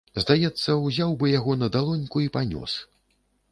Здаецца, узяў бы яго на далоньку і панёс.